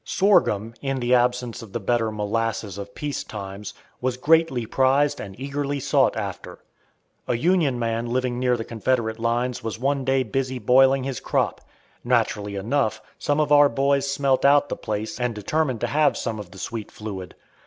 Sorghum, in the absence of the better molasses of peace times, was greatly prized and eagerly sought after. A "Union" man living near the Confederate lines was one day busy boiling his crop. Naturally enough, some of "our boys" smelt out the place and determined to have some of the sweet fluid.